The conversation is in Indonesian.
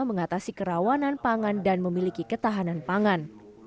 mengatasi kerawanan pangan dan memiliki ketahanan pangan